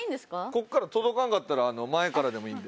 ここから届かんかったら前からでもいいんで。